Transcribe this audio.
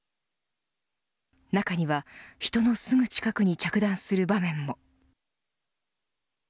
中には人のすぐ近くに着弾する場面も。